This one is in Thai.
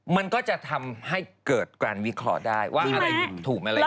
มันก็จะทำให้เกิดการวิเคราะห์ได้ว่าอะไรถูกอะไรบ้าง